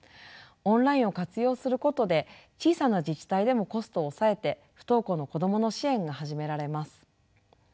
オンラインを活用することで小さな自治体でもコストを抑えて不登校の子どもの支援が始められます。